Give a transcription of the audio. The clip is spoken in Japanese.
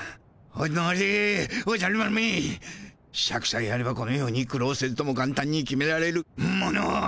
おのれおじゃる丸めシャクさえあればこのように苦労せずとも簡単に決められるものを。